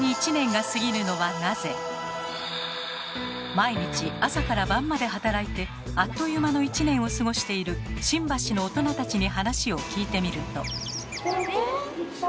毎日朝から晩まで働いてあっという間の１年を過ごしている新橋の大人たちに話を聞いてみると。